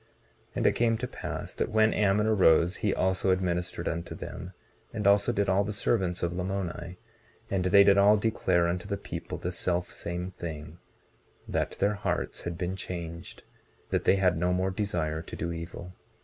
19:33 And it came to pass that when Ammon arose he also administered unto them, and also did all the servants of Lamoni; and they did all declare unto the people the selfsame thing—that their hearts had been changed; that they had no more desire to do evil.